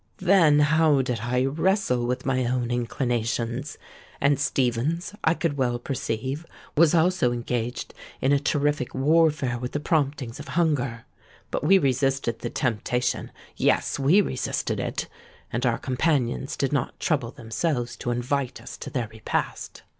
Then how did I wrestle with my own inclinations! And Stephens, I could well perceive, was also engaged in a terrific warfare with the promptings of hunger. But we resisted the temptation: yes—we resisted it;—and our companions did not trouble themselves to invite us to their repast.